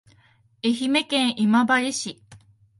愛媛県今治市